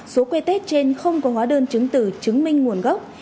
số que test trên không có hóa đơn chứng từ chứng minh nguồn gốc